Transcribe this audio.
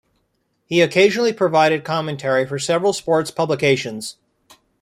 He occasionally provided commentary for several sports publications.